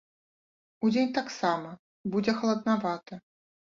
Удзень таксама будзе халаднавата.